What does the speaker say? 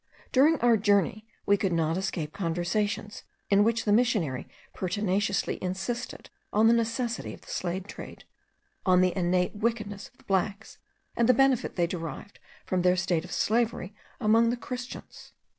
During our journey we could not escape conversations, in which the missionary pertinaciously insisted on the necessity of the slave trade, on the innate wickedness of the blacks, and the benefit they derived from their state of slavery among the Christians!